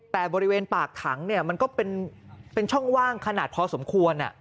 แต่บริเวณปากถังมันก็เป็นช่องว่างขนาดพอสมควร